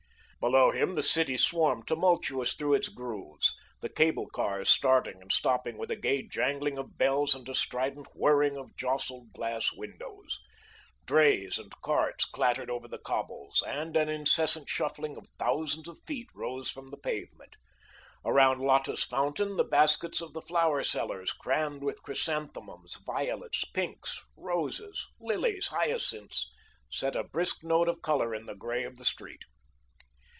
Below him the city swarmed tumultuous through its grooves, the cable cars starting and stopping with a gay jangling of bells and a strident whirring of jostled glass windows. Drays and carts clattered over the cobbles, and an incessant shuffling of thousands of feet rose from the pavement. Around Lotta's fountain the baskets of the flower sellers, crammed with chrysanthemums, violets, pinks, roses, lilies, hyacinths, set a brisk note of colour in the grey of the street.